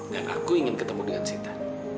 dan aku ingin ketemu dengan sita